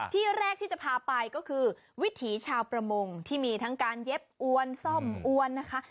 ที่แรกที่จะพาไปก็คือวิถีชาวประมงที่มีทั้งการเย็บอวนซ่อมอ้วนนะคะ